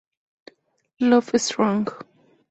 Love Strong.